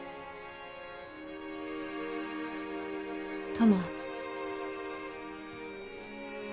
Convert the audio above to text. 殿。